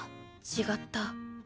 違った。